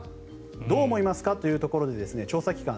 どう思いますか？というところで調査期間